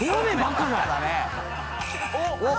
おっ！